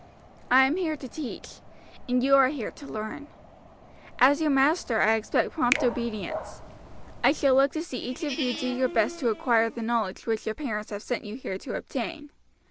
I am here to teach, and you are here to learn. As your master I expect prompt obedience. I shall look to see each of you do your best to acquire the knowledge which your parents have sent you here to obtain.